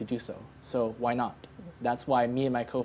itulah sebabnya saya dan pembinaan saya mulai